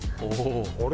あれ？